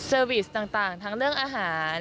มีเซอร์วิสต์ต่างทั้งเรื่องอาหาร